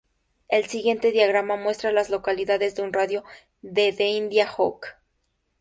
El siguiente diagrama muestra a las localidades en un radio de de India Hook.